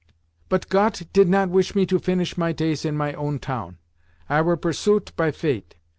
"Bot Got did not wish me to finish my tays in my own town. I were pursuet by fate.